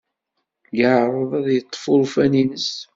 Yeɛreḍ ad yeḍḍef urfan-nnes.